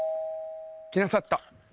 来なさった。